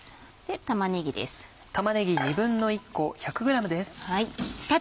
玉ねぎです。